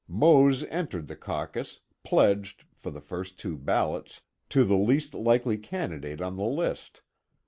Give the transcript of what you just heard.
Mose entered the caucus, pledged, for the first two ballots, to the least likely candidate on the list.